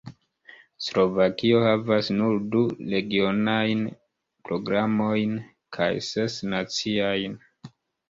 Slovakio havas nur du regionajn programojn kaj ses naciajn.